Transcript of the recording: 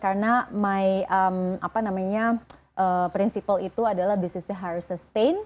karena apa namanya prinsip itu adalah bisnisnya harus sustain